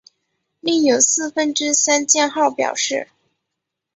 另有四分之三降号表示。